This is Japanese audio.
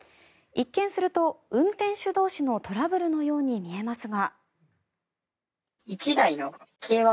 一見すると運転手同士のトラブルのように見えますが。